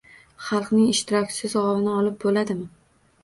Xalqning ishtirokisiz g‘ovni olib bo‘ladimi?